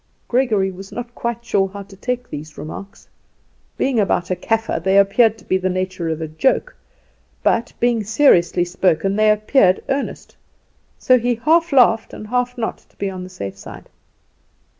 Gregory was not quite sure how to take these remarks. Being about a Kaffer, they appeared to be of the nature of a joke; but, being seriously spoken, they appeared earnest; so he half laughed and half not, to be on the safe side.